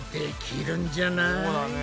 そうだね。